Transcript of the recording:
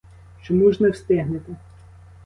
Чому ж не встигнете?